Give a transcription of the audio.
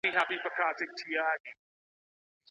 آیا هندي سوداګر د افغان وچو مېوو مینه وال دي؟.